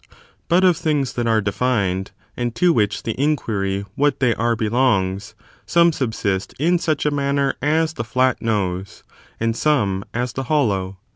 But of things that are defined, and to which the inquiry what they are belongs, some subsist in such a manner as the fiat nose,* and some as the hollow.